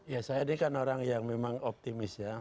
ya saya ini kan orang yang memang optimis ya